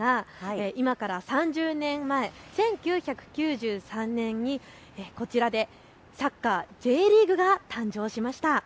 今から３０年前、１９９３年にこちらでサッカーＪリーグが誕生しました。